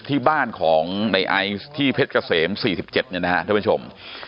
ที่บ้านของในไอซ์ที่เพชรเกษม๔๗เนี่ยนะฮะท่านผู้ชม